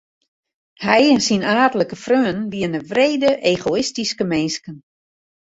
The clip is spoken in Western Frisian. Hy en syn aadlike freonen wiene wrede egoïstyske minsken.